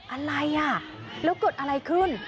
อะไรอ่ะแล้วเกิดอะไรขึ้น